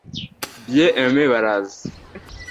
Bien-Aimé Baraza